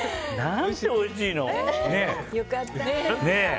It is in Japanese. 何ておいしいの！